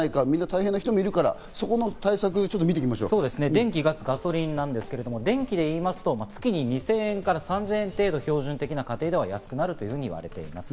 大変な人もいるから、そこの対策をみていきましょう、電気・ガス・ガソリンなんですけれども、電気でいいますと、月に２０００円から３０００円程度、標準的な家庭では安くなると言われています。